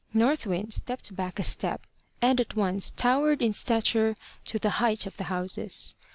North Wind stepped back a step, and at once towered in stature to the height of the houses.